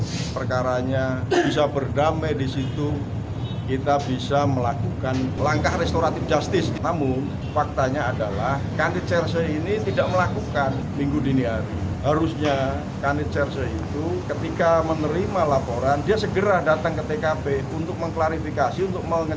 terutamanya pergantian jabatan kanit reskrim di pol sekta lo saya selaku kapol reskrim di pol sekta lo saya selaku kapol reskrim di pol sekta lo